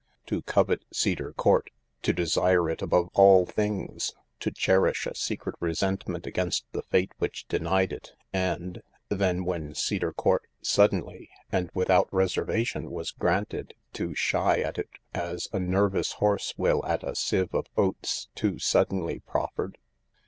To covet Cedar Court, to desire it above all things, to cherish a secret resentment against the Fate which denied it and— then when Cedar Court, suddenly and without reservation, was granted, to shy at it as a ner vous horse will at a sieve of oats too suddenly proffered